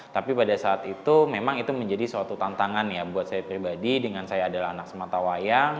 tapi pada saat itu memang itu menjadi suatu tantangan ya buat saya pribadi dengan saya adalah anak sematawayang